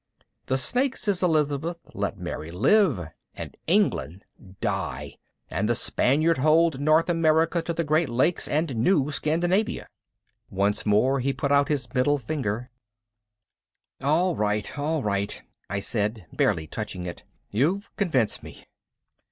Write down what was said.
The Snakes' Elizabeth let Mary live ... and England die ... and the Spaniard hold North America to the Great Lakes and New Scandinavia." Once more he put out his middle finger. "All right, all right," I said, barely touching it. "You've convinced me."